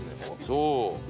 そう。